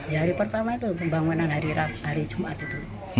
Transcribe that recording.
ya hari pertama itu pembangunan hari jumat itu